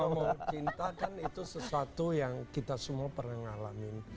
bahwa cinta kan itu sesuatu yang kita semua pernah ngalamin